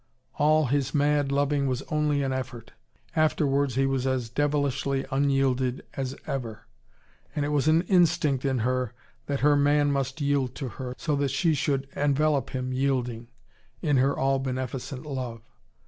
All his mad loving was only an effort. Afterwards, he was as devilishly unyielded as ever. And it was an instinct in her, that her man must yield to her, so that she should envelop him yielding, in her all beneficent love.